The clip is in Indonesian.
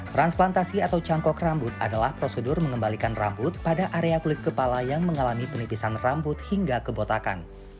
transplantasi atau cangkok rambut adalah prosedur mengembalikan rambut pada area kulit kepala yang mengalami penipisan rambut hingga kebotakan